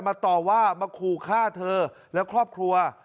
ต่อว่ามาขู่ฆ่าเธอและครอบครัว